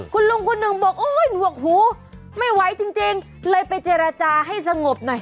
คุณลุงคนหนึ่งบอกโอ๊ยหนวกหูไม่ไหวจริงเลยไปเจรจาให้สงบหน่อย